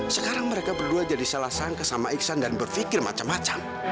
sekarang mereka berdua jadi salah sangka sama iksan dan berpikir macam macam